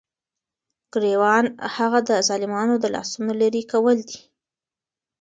ګريوان څخه دظالمانو دلاسونو ليري كول دي ،